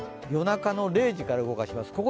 夜中の０時から動かします。